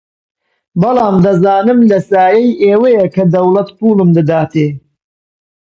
بەڵام دەزانم لە سایەی ئێوەیە کە دەوڵەت پووڵم دەداتێ